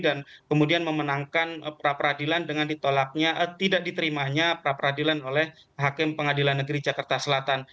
dan kemudian memenangkan pra peradilan dengan ditolaknya tidak diterimanya pra peradilan oleh hakim pengadilan negeri jakarta selatan